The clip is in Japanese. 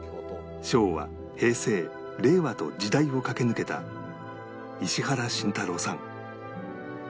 昭和平成令和と時代を駆け抜けた石原慎太郎さん